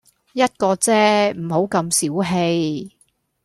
一個啫，唔好咁小氣